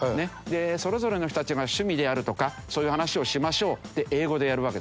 それぞれの人たちが趣味であるとかそういう話をしましょうって英語でやるわけですよね。